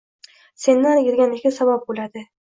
Sendan irganishiga sabab bo‘ladi.